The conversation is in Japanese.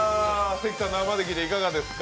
関さん、生で聴いていかがでしたか？